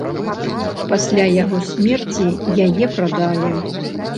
Пасля яго смерці яе прадалі.